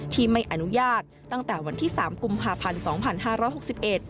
ที่ไม่อนุญาตตั้งแต่วันที่๓กุมภาพันธ์ปี๒๕๖๑